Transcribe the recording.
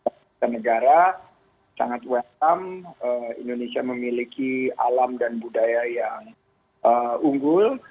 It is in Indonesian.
negara sangat welcome indonesia memiliki alam dan budaya yang unggul